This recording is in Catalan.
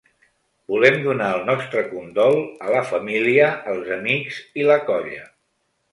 Volem donar el nostre condol a la família, els amics i la colla.